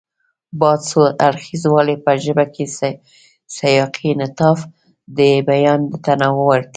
ياد څو اړخیزوالی په ژبه کې سیاقي انعطاف، د بیان د تنوع وړتیا،